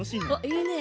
いいね！